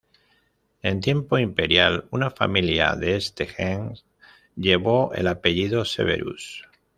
En tiempo imperial, una familia de este gens llevó el apellido "Severus".